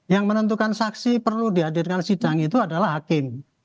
yang menentukan saksi perlu dihadirkan sidang itu adalah hakim